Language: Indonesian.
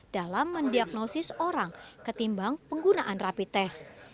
dalam mendiagnosis orang ketimbang penggunaan rapi tes